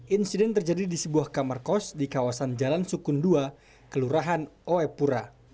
insiden terjadi di sebuah kamar kos di kawasan jalan sukun dua kelurahan oepura